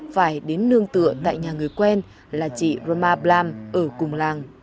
phải đến nương tựa tại nhà người quen là chị roma blam ở cùng làng